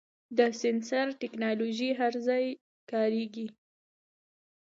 د سنسر ټکنالوژي هر ځای کارېږي.